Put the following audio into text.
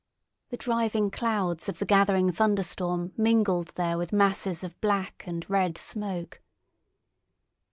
The driving clouds of the gathering thunderstorm mingled there with masses of black and red smoke.